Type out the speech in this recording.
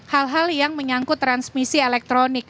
hal hal yang menyangkut transmisi elektronik